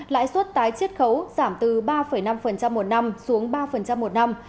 lãi suất tái chiết khấu giảm từ ba năm một năm xuống ba năm một năm